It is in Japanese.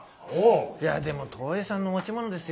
いやでも東映さんの持ち物ですよ。